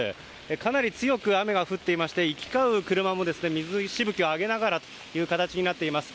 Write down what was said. かなり強く雨が降っていまして行き交う車も水しぶきを上げる形となっています。